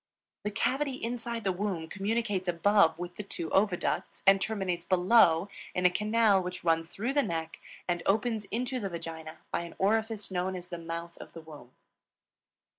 The cavity inside the womb communicates above with the two oviducts and terminates below in a canal which runs through the neck and opens into the vagina by an orifice known as the mouth of the womb.